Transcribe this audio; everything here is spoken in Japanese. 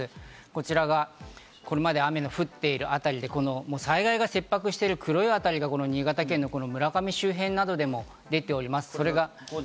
こちらがこれまで雨の降っているあたりで、被害が切迫している黒いあたりが新潟県の村上周辺などでも出ております。